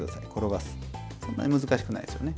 そんなに難しくないですよね